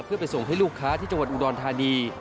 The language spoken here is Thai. เพื่อไปส่งให้ลูกค้าที่จังหวัดอุดรธานี